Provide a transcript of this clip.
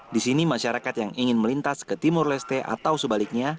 di sini masyarakat yang ingin melintas ke timur leste atau sebaliknya